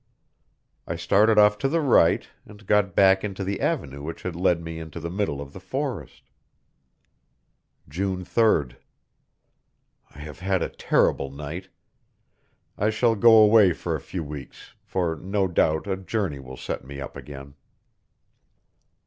I started off to the right, and got back into the avenue which had led me into the middle of the forest. June 3d. I have had a terrible night. I shall go away for a few weeks, for no doubt a journey will set me up again.